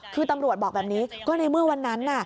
คือตำรวจบอกแบบนี้ก็ในเมื่อวันนั้น